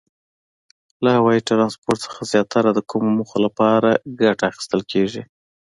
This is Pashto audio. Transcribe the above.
له هوایي ترانسپورت څخه زیاتره د کومو موخو لپاره ګټه اخیستل کیږي؟